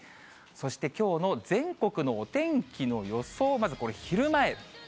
そして、きょうの全国のお天気の予想をまず、これ昼前。